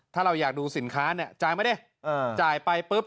ถ้าเราอยากดูสินค้าจ่ายไปไหม